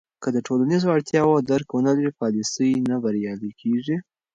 که د ټولنیزو اړتیاوو درک ونه لرې، پالیسۍ نه بریالۍ کېږي.